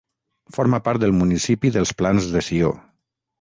Forma part del municipi dels Plans de Sió.